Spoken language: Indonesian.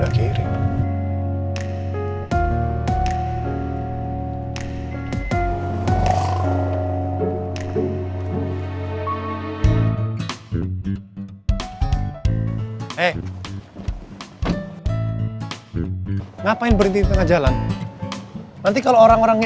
hai hai hai hai hai hai hai hai ngapain berhenti tengah jalan nanti kalau orang orang